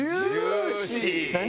何？